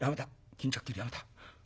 巾着切りやめた。